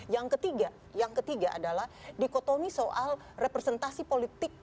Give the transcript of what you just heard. yang ketiga yang ketiga adalah dikotomi soal representasi politik